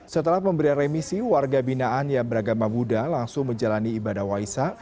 setelah pemberian remisi warga binaan yang beragama buddha langsung menjalani ibadah waisak